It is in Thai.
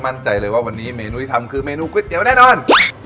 มั่นใจเลยว่าวันนี้เมนูที่ทำคือเมนูก๋วยเตี๋ยวแน่นอน